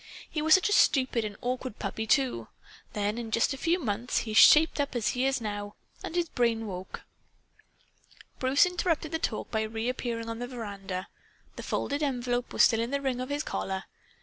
He was such a stupid and awkward puppy, too! Then, in just a few months, he shaped up, as he is now. And his brain woke." Bruce interrupted the talk by reappearing on the veranda. The folded envelope was still in the ring on his collar.